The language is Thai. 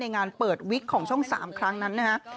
งานเปิดวิกของช่อง๓ครั้งนั้นนะฮะ